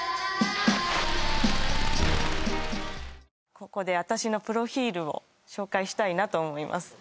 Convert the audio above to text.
ここで私のプロフィールを紹介したいなと思います